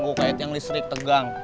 gue kayak yang listrik tegang